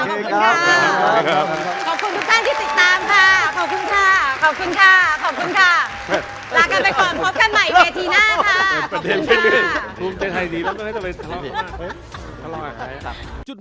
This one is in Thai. ถ้าบอกว่าคุณแหม่นสุริภาจะเสียใจ